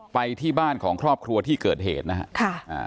ไปที่บ้านของครอบครัวที่เกิดเหตุนะครับ